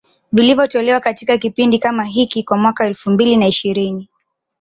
vilivyotolewa katika kipindi kama hiki kwa mwaka elfu mbili na ishirini